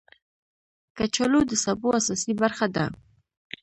کچالو د سبو اساسي برخه ده